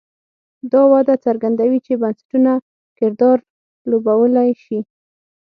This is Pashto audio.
دا وده څرګندوي چې بنسټونه کردار لوبولی شي.